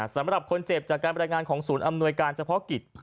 สำหรับคนเจ็บจากการบรรยายงานของศูนย์อำนวยการเฉพาะกิจ